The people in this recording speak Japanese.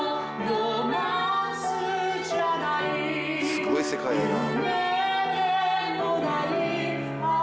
すごい世界やな。